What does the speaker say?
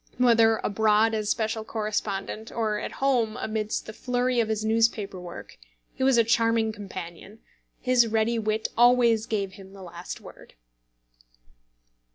Whether abroad as special correspondent, or at home amidst the flurry of his newspaper work, he was a charming companion; his ready wit always gave him the last word.